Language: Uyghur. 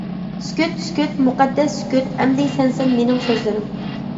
سۈكۈت، سۈكۈت، مۇقەددەس سۈكۈت، ئەمدى سەنسەن مېنىڭ سۆزلىرىم.